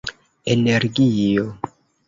energio